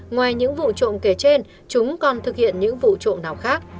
ngoài những vụ trộm kể trên chúng còn thực hiện những vụ trộm nào khác